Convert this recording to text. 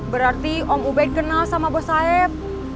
berarti om ubed kenal sama bos saib